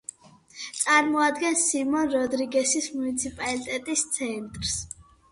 წარმოადგენს სიმონ-როდრიგესის მუნიციპალიტეტის ცენტრს.